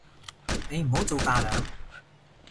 你唔好做架樑